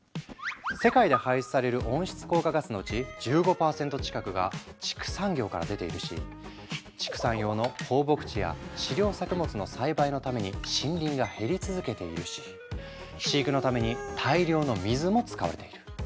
世界で排出される温室効果ガスのうち１５％近くが畜産業から出ているし畜産用の放牧地や飼料作物の栽培のために森林が減り続けているし飼育のために大量の水も使われている。